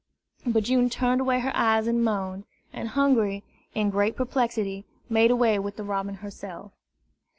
But June turned away her eyes and moaned; and Hungry, in great perplexity, made away with the robin herself.